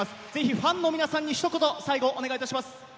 ファンの皆さんにひと言お願いします。